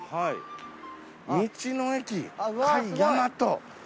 道の駅甲斐大和。